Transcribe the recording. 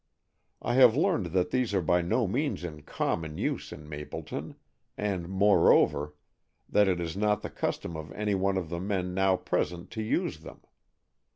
I have learned that these are by no means in common use in Mapleton, and, moreover, that it is not the custom of any one of the men now present to use them.